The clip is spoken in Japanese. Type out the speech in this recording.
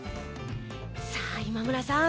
さあ、今村さん